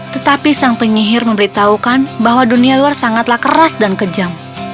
tetapi sang penyihir memberitahukan bahwa dunia luar sangatlah keras dan kejam